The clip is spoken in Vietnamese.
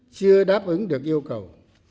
chưa đáp ứng được yêu cầu